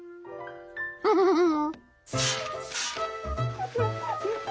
フフフフ。